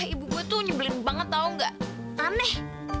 ibu gue tuh nyebelin banget tau gak aneh